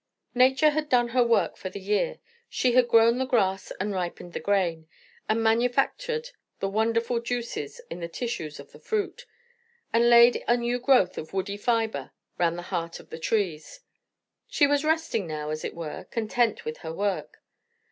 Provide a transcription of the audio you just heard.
Nature had done her work for the year; she had grown the grass and ripened the grain, and manufactured the wonderful juices in the tissues of the fruit, and laid a new growth of woody fibre round the heart of the trees. She was resting now, as it were, content with her work.